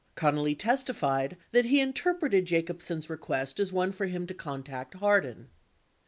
44 Connally testified that he interpreted Jacobsen's request as one for him to contact Hardin.